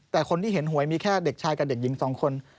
แต่คนที่เห็นหวยมีแค่เด็กชายกับเด็กหญิง๒คน